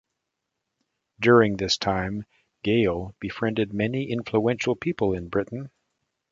During this time, Geyl befriended many influential people in Britain.